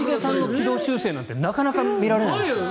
一茂さんの軌道修正なんてなかなか見られない。